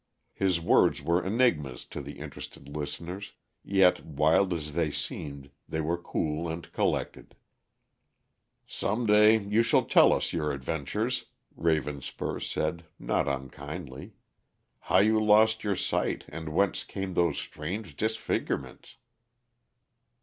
His words were enigmas to the interested listeners; yet, wild as they seemed, they were cool and collected. "Some day you shall tell us your adventures," Ravenspur said not unkindly, "how you lost your sight, and whence came those strange disfigurements."